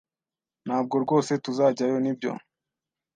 Ntabwo rwose tuzajyayo, nibyo?